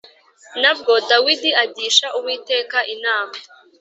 Na bwo Dawidi agisha Uwiteka inama